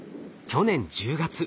去年１０月。